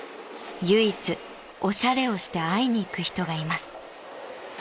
［唯一おしゃれをして会いに行く人がいます］